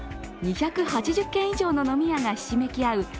２８０軒以上の飲み屋がひしめき合う